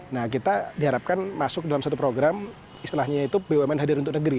nah kita diharapkan masuk dalam satu program istilahnya itu bumn hadir untuk negeri